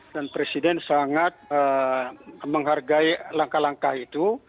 dan presiden sangat menghargai langkah langkah itu